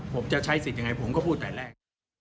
ผมจะใช้สิทธิ์อย่างไรผมก็พูดได้แรก